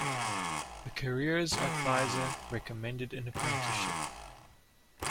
The careers adviser recommended an apprenticeship.